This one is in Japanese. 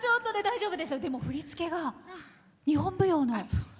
振り付けが日本舞踊の。